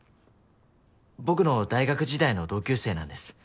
僕の大学時代の同級生なんです。